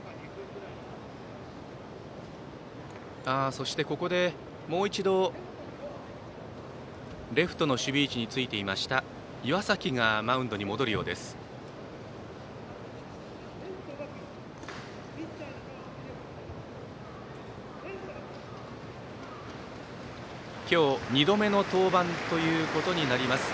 そしてここでもう一度、レフトの守備位置についていた岩崎がマウンドに戻るようです。